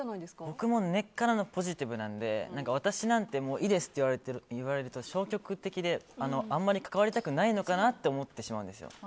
僕も根からのポジティブなんで私なんていいですって言われると消極的であまり関わりたくないのかなと思ってしまうんですよ。